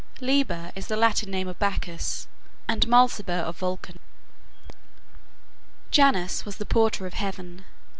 Liber is the Latin name of Bacchus; and Mulciber of Vulcan. Janus was the porter of heaven.